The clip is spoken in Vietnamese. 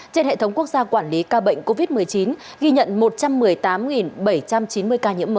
trên hệ thống quốc gia quản lý ca bệnh covid một mươi chín ghi nhận một trăm một mươi tám bảy trăm chín mươi ca nhiễm mới